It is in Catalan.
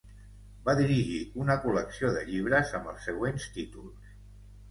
Va dirigir una col·lecció de llibres amb els següents títols: